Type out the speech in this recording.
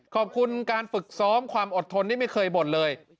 ขอบคุณการฝึกซ้อมความอดทนที่ไม่เคยบ่นเลย